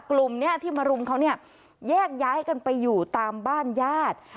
กลุ่มนี้ที่มารุมเขาเนี่ยแยกย้ายกันไปอยู่ตามบ้านญาติ